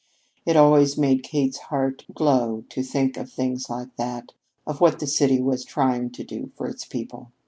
It always made Kate's heart glow to think of things like that of what the city was trying to do for its people.